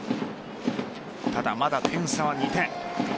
ただ、まだ点差は２点。